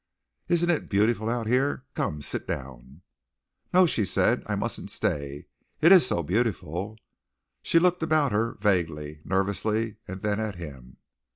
"Isn't it beautiful out here? Come, sit down." "No," she said. "I mustn't stay. It is so beautiful!" She looked about her vaguely, nervously, and then at him.